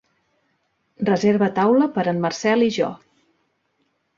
Reserva taula per en Marcel i jo.